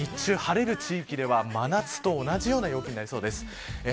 日中、晴れる地域では真夏と同じような陽気になりそうです。